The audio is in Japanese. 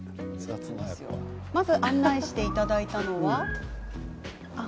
まず、案内していただいたのは。